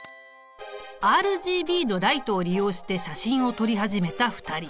ＲＧＢのライトを利用して写真を撮り始めた２人。